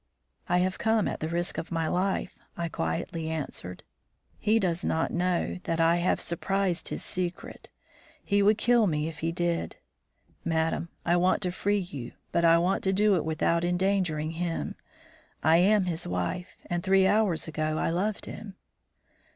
"I have come at the risk of my life," I quietly answered. "He does not know that I have surprised his secret. He would kill me if he did. Madame, I want to free you, but I want to do it without endangering him. I am his wife, and three hours ago I loved him."